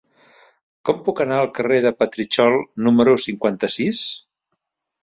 Com puc anar al carrer de Petritxol número cinquanta-sis?